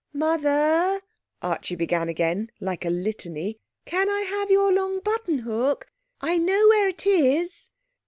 'Mother,' Archie began again, like a litany, 'can I have your long buttonhook? I know where it is.'